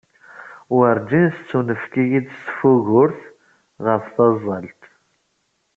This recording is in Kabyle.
Werǧin tettunefk-iyi-d tefgurt ɣef tazzalt.